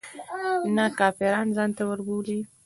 نه کافران ځانته وربولي.